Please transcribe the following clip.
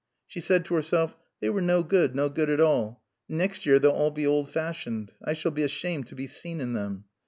She said to herself, "They were no good, no good at all. And next year they'll all be old fashioned. I shall be ashamed to be seen in them."